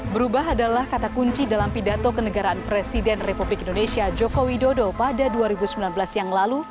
berubah adalah kata kunci dalam pidato kenegaraan presiden republik indonesia joko widodo pada dua ribu sembilan belas yang lalu